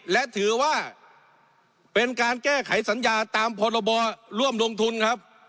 และถือว่าเป็นการแก้ไขสัญญาตามพรบร่วมลงทุนครับ